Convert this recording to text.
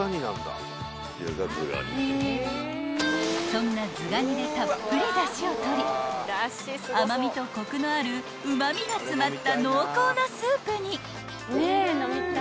［そんなズガニでたっぷりだしを取り甘味とコクのあるうま味が詰まった］